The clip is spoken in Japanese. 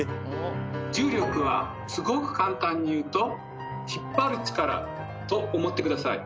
重力はすごく簡単に言うと「引っ張る力」と思って下さい。